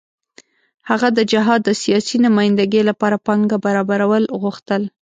هغه د جهاد د سیاسي نمايندګۍ لپاره پانګه برابرول غوښتل.